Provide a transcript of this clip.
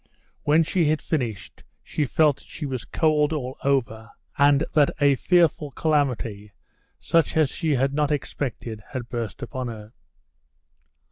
When she had finished, she felt that she was cold all over, and that a fearful calamity, such as she had not expected, had burst upon her.